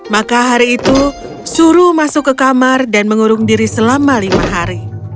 maka hari itu suruh masuk ke kamar dan mengurung diri selama lima hari